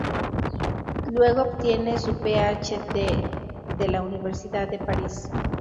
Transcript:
Luego obtiene su Ph.D de la Universidad de París.